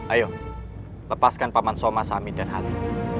ayo lepaskan paman soma sami dan halim